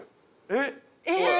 えっ！？